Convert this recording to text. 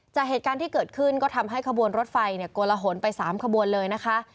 จากเหตุการณ์ที่เกิดขึ้นก็ทำให้ขบวนรถไฟโกลหนไป๓ขบวนเลยนะคะ